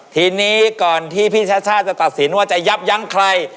ทีนี้ก่อนที่พี่ชัชชาติจะตัดสินว่าจะยับยั้งใคร